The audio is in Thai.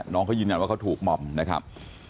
น้องเขายืนยันว่าเขาถูกหม่อมนะครับ